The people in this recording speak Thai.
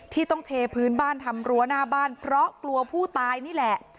ที่ต้องเทพื้นบ้านทำรั้วหน้าบ้านเพราะกลัวผู้ตายนี่แหละ